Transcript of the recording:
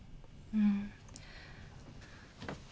うん。